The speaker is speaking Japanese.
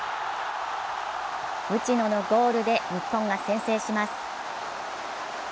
内野のゴールで日本が先制します。